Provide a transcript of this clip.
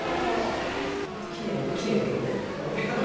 本当きれいきれいだけどね。